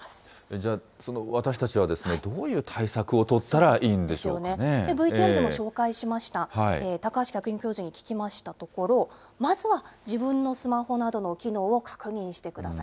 じゃあ、私たちはですね、どういう対策を取ったらいいんでしＶＴＲでも紹介しました、高橋客員教授に聞きましたところ、まずは自分のスマホなどの機能を確認してください。